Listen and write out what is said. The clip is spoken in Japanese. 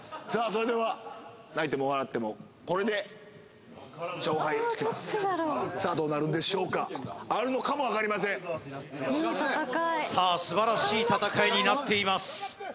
それでは泣いても笑ってもこれで勝敗がつきますさあどうなるんでしょうかあるのかも分かりませんさあ素晴らしい戦いになっています